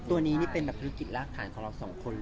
ตัวนี้เป็นการธุรกิจรากขาดของเราสองคนนะ